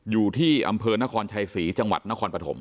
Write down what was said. อยู่ที่อำเภอนครชัยศรีจังหวัดนครปฐม